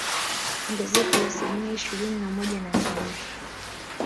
Ongezeko la asilimia ishirini na moja na zaidi